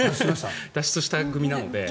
脱出した組なので。